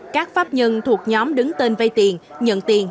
các pháp nhân thuộc nhóm đứng tên vay tiền nhận tiền